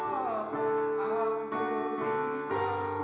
kau berdoa aku berdoa